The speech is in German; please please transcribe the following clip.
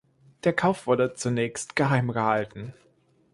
Der Kauf wurde zunächst geheimgehalten.